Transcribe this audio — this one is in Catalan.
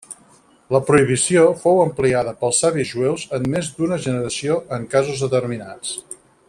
La prohibició fou ampliada pels Savis jueus en més d'una generació en casos determinats.